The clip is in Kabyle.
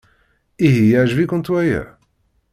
Ihi yeɛjeb-ikent waya?